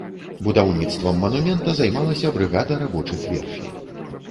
Будаўніцтвам манумента займалася брыгада рабочых верфі.